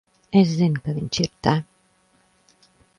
Es zinu, ka viņš ir te.